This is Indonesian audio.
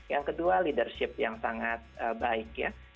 yang kedua leadership yang sangat baik ya